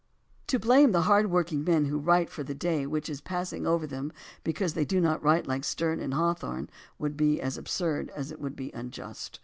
To blame the hard working men who write for the day which is passing over them because they do not write like Sterne and Hawthorne would be as absurd as it would be unjust.